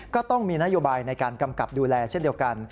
ก็ต้องมีนโยบายในการกำกับดูแลเช่นเดียวกัน